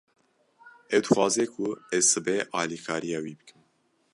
Ew dixwaze ku ez sibê alîkariya wî bikim.